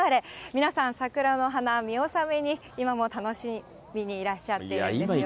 皆さん、桜の花見納めに、今も楽しみにいらっしゃっているんですよね。